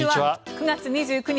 ９月２９日